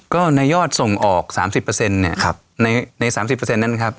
ก็ในยอดส่งออกสามสิบเปอร์เซ็นต์เนี้ยครับครับในในสามสิบเปอร์เซ็นนั่นครับ